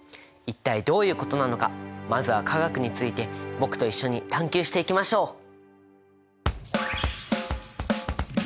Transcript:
一体どういうことなのかまずは化学について僕と一緒に探究していきましょう！